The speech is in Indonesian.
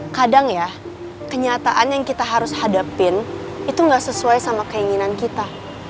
kadang ya kenyataan yang kita harus hadapin itu gak sesuai sama keinginan kita